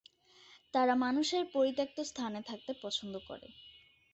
তারা মানুষের পরিত্যক্ত স্থানে থাকতে পছন্দ করে।